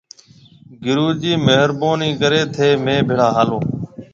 گُرو جِي مهربونِي ڪريَ ٿَي مهيَ ڀيڙا هالو۔